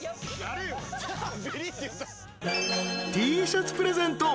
［Ｔシャツプレゼント。